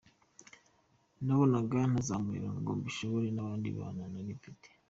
nabonaga ntazamurera ngo mbishobore n’abandi bana nari mfite.